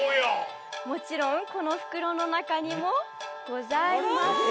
もちろんこの袋の中にもございません。